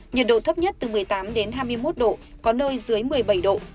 nhiệt độ thấp nhất từ một mươi tám đến hai mươi một độ có nơi dưới một mươi bảy độ